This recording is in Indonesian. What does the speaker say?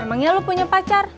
emangnya lu punya pacar